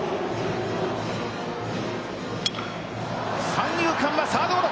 三遊間はサードゴロ。